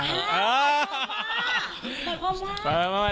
แบบความว่าแบบความว่า